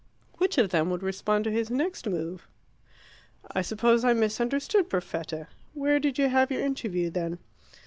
Which of them would respond to his next move? "I suppose I misunderstood Perfetta. Where did you have your interview, then?"